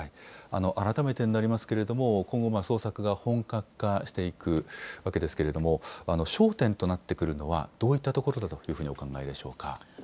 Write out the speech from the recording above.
改めてになりますけれども、今後、捜索が本格化していくわけですけれども、焦点となってくるのは、どういったところだというふうにお考えでしょうか。